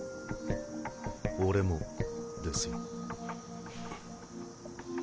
俺もですよ。